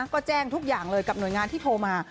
ก็แจ้งทุกอย่างเลยกับหน่วยงานที่โทรมา